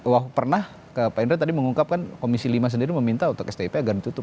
wah pernah pak indra tadi mengungkapkan komisi lima sendiri meminta untuk stip agar ditutup